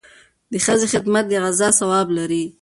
د ښځې خدمت د غزا ثواب لري.